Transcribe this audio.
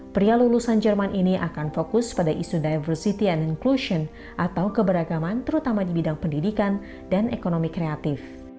pria lulusan jerman ini akan fokus pada isu diversity and inclusion atau keberagaman terutama di bidang pendidikan dan ekonomi kreatif